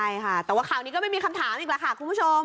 ใช่ค่ะแต่ว่าข่าวนี้ก็ไม่มีคำถามอีกแล้วค่ะคุณผู้ชม